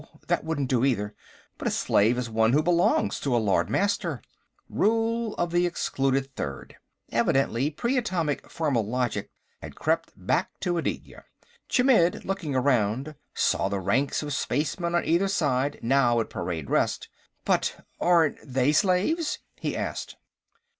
That wouldn't do, either. "But a slave is one who belongs to a Lord Master." Rule of the Excluded Third; evidently Pre Atomic formal logic had crept back to Aditya. Chmidd, looking around, saw the ranks of spacemen on either side, now at parade rest. "But aren't they slaves?" he asked.